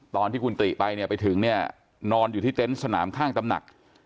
ตอนที่คุณติไปไปถึงนอนอยู่ที่เต็นต์สนามข้างตำหนัก